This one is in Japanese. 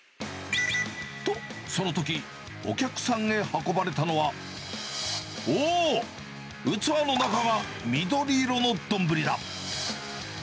と、そのとき、お客さんへ運ばれたのは、おおっ、器の中が緑色の丼だ。